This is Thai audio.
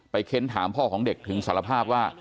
เค้นถามพ่อของเด็กถึงสารภาพว่า